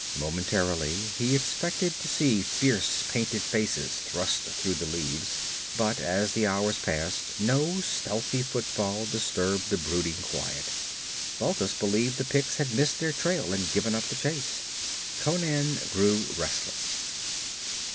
Momentarily he expected to see fierce painted faces thrust through the leaves. But as the hours passed no stealthy footfall disturbed the brooding quiet. Balthus believed the Picts had missed their trail and given up the chase. Conan grew restless.